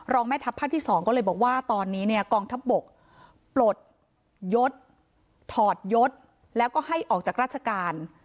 แม่ทัพภาคที่๒ก็เลยบอกว่าตอนนี้เนี่ยกองทัพบกปลดยศถอดยศแล้วก็ให้ออกจากราชการ